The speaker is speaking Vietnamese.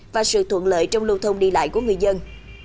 và sự thuận lợi trong lưu thông đi lại của người dân